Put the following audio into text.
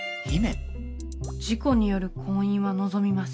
事故による婚姻は望みません。